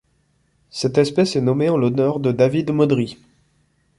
Cette espèce est nommée en l'honneur de David Modrý.